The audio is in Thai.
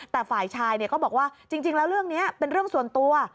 แต่ฝ่ายชายก็บอกว่าจริงแล้วเรื่องนี้เป็นเรื่องส่วนตัว